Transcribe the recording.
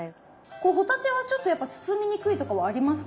これ帆立てはちょっとやっぱ包みにくいとかはありますか？